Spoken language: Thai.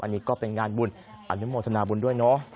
อันนี้ก็เป็นงานบุญอนุโมทนาบุญด้วยเนาะ